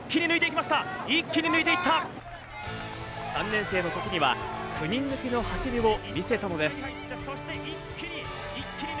３年生の時には９人抜きの走りを見せたのです。